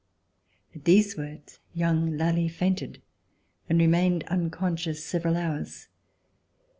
At these words young Lally fainted and remained unconscious several hours.